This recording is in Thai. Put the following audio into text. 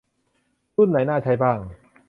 รุ่นไหนน่าใช้บ้าง